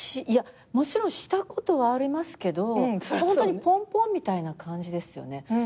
いやもちろんしたことはありますけどホントにポンポンみたいな感じですよね。